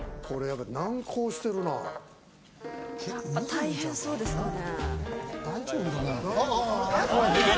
大変そうですよね。